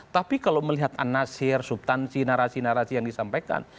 tapi kalau melihat anasir subtansi narasi narasi yang disampaikan